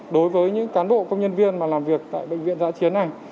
đối với những cán bộ công nhân viên mà làm việc tại bệnh viện giã chiến này